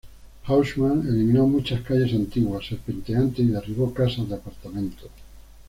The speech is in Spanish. Haussmann eliminó muchas calles antiguas, serpenteantes y derribó casas de apartamentos.